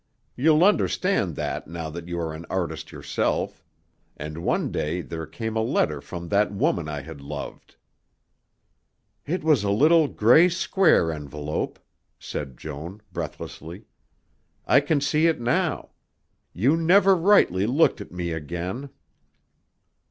You'll understand that now that you are an artist yourself. And one day there came a letter from that woman I had loved." "It was a little square gray envelope," said Joan breathlessly. "I can see it now. You never rightly looked at me again."